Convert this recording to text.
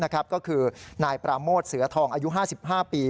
ก็คือนายปราโมทเสือทองอายุ๕๕ปี